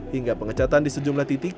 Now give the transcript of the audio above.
hingga pengecatan di sejumlah titik